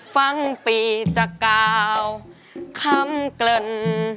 ฟังปีจากกาวคำเกริ่น